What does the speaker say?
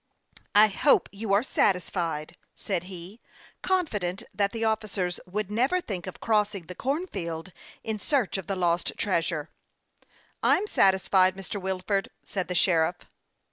" I hope you are satisfied," said he, confident that the officers would never think of crossing the corn field in search of the lost treasure. " I'm satisfied, Mr. Wilford," said the sheriff.